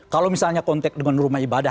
kalau misalnya kontak dengan rumah ibadah